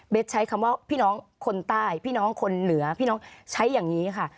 ใช้คำว่าพี่น้องคนใต้พี่น้องคนเหนือพี่น้องใช้อย่างนี้ค่ะ